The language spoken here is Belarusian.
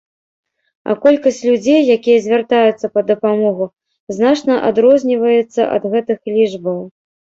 А колькасць людзей, якія звяртаюцца па дапамогу, значна адрозніваецца ад гэтых лічбаў.